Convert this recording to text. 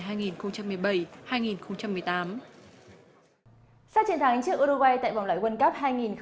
sau triển thắng trước uruguay tại vòng loại world cup hai nghìn một mươi tám